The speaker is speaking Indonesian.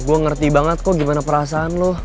gue ngerti banget kok gimana perasaan lo